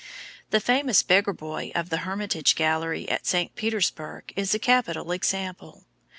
The famous Beggar boy of the Hermitage Gallery at St. Petersburg is a capital example.